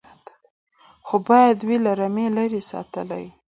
خو باید وي له رمې لیري ساتلی